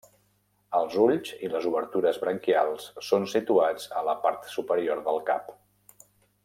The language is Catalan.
Els ulls i les obertures branquials són situats a la part superior del cap.